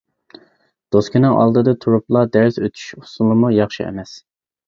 دوسكىنىڭ ئالدىدا تۇرۇپلا دەرس ئۆتۈش ئۇسۇلىمۇ ياخشى ئەمەس.